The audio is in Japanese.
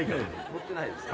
乗ってないですか？